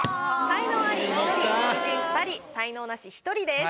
才能アリ１人凡人２人才能ナシ１人です。